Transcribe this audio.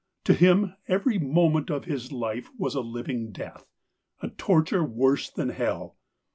To him every moment of his life was a living death, a torture worse than hell.